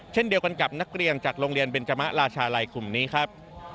เช่นเดียวกันกับนักเรียนจากโรงเรียนเบนจมะราชาลัยกลุ่มนี้ครับ